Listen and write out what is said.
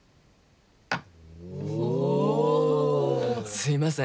すいません。